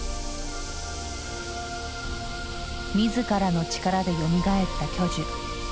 自らの力でよみがえった巨樹。